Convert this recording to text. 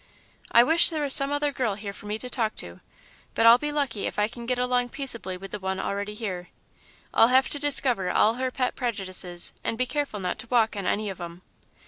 "I wish there was some other girl here for me to talk to, but I'll be lucky if I can get along peaceably with the one already here. I'll have to discover all her pet prejudices and be careful not to walk on any of 'em.